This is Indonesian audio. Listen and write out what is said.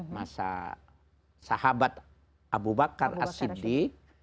masa sahabat abu bakar a siddiq